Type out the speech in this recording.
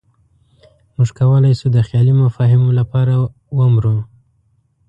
موږ کولی شو د خیالي مفاهیمو لپاره ومرو.